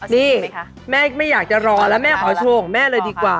นี่แม่ไม่อยากจะรอแล้วแม่ขอโชว์ของแม่เลยดีกว่า